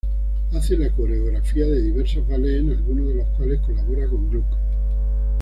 Hace la coreografía de diversos ballets, en algunos de los cuales colabora con Gluck.